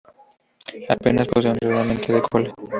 Apenas posee un remanente de cola.